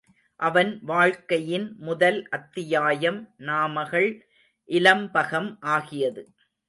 அவன் வாழ்க்கையின் முதல் அத்தியாயம் நாமகள் இலம்பகம் ஆகியது.